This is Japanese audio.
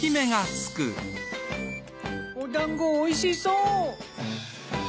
お団子おいしそう！